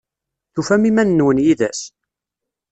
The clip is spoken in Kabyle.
Tufam iman-nwen yid-s?